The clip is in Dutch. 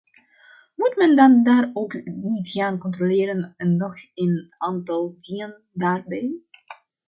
Moet men dat daar ook niet gaan controleren en nog een aantal dingen daarbij?